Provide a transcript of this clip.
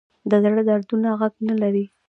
د زړه دردونه غږ نه لري